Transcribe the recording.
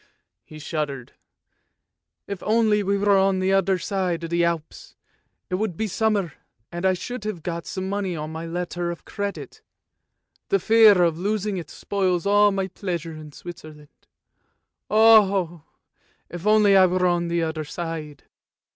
he shuddered, " if only we were on the other side of the Alps, it would be summer, and I should have got some money on my letter of credit, the fear of losing it spoils all my pleasure in Switzerland! Oh! if only I were on the other side."